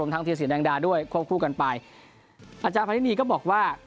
เทียสีแดงดาด้วยควบคู่กันไปอาจารย์พันธินีก็บอกว่า